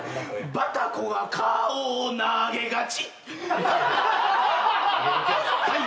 「バタコが顔を投げがち」